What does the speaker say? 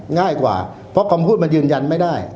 ง่ายกว่าเพราะคำพูดมันยืนยันไม่ได้